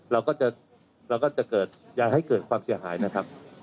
เราก็จะเราก็จะเกิดอย่าให้เกิดความเสียหายนะครับ